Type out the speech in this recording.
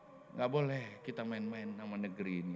tidak boleh kita main main sama negeri ini